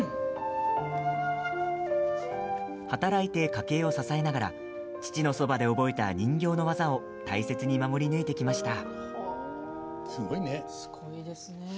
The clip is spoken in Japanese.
働いて家計を支えながら父のそばで覚えた人形の技を大切に守り抜いてきました。